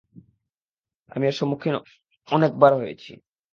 আমি এর সম্মুখীন অনেক বার হয়েছি।